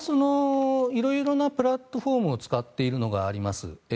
色々なプラットフォームを使っているのがあります。